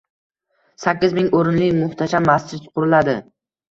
Sakkiz ming o‘rinli muhtasham masjid quriladi.